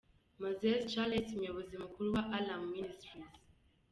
Mazeze Charles umuyobozi mukuru wa Alarm Ministries.